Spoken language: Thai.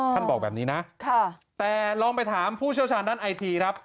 บอกแบบนี้นะแต่ลองไปถามผู้เชี่ยวชาญด้านไอทีครับ